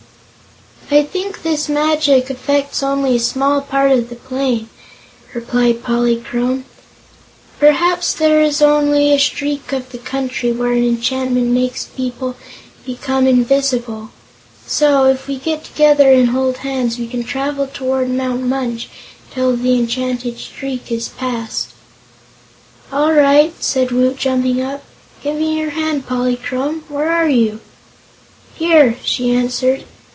"I think this magic affects only a small part of the plain," replied Polychrome; "perhaps there is only a streak of the country where an enchantment makes people become invisible. So, if we get together and hold hands, we can travel toward Mount Munch until the enchanted streak is passed." "All right," said Woot, jumping up, "give me your hand, Polychrome. Where are you?" "Here," she answered.